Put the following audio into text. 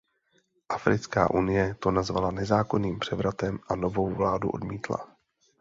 Africká unie to nazvala nezákonným převratem a novou vládu odmítla.